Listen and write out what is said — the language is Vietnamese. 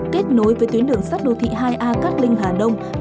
kết nối với tuyến đường sắt đô thị hai a cát linh hà đông